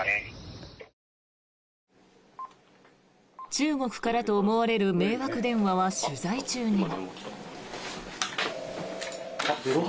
中国からと思われる迷惑電話は取材中にも。